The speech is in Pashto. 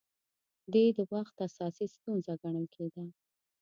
دې د وخت اساسي ستونزه ګڼل کېده